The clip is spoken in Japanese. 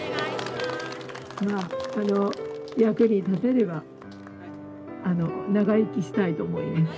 まあ役に立てれば長生きしたいと思います。